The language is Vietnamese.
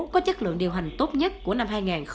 có chất lượng điều hành tốt nhất của năm hai nghìn một mươi bảy